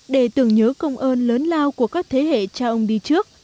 để tưởng nhớ công ơn lớn lao của các thế hệ cha ông đi trước